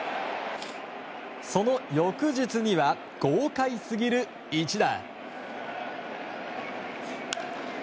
その翌日には、豪快すぎる一打。